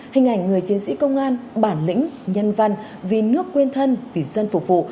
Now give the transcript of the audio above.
hình ảnh người chiến sĩ công an bản lĩnh nhân văn vì nước quên thân vì dân phục vụ